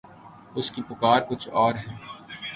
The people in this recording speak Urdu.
اس کی پکار کچھ اور ہے۔